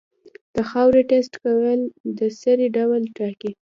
د خاورې ټیسټ کول د سرې ډول ټاکي.